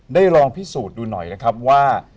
ลองพิสูจน์ดูหน่อยนะครับว่า